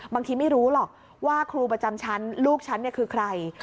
บางทีไม่รู้หรอกว่าครูประจำชั้นลูกฉันคือใคร